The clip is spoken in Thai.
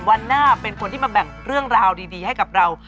วันหน้าเป็นคนที่มาแบ่งเรื่องราวดีให้กับเรา